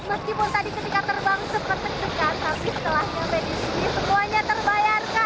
meskipun tadi ketika terbang seperti tegukan tapi setelahnya sampai disini semuanya terbayarkan